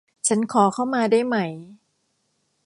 ฉันขอเข้ามาได้ไหม